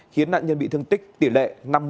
khiến nạn nhân bị thương tích tỷ lệ năm mươi